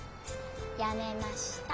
やめました。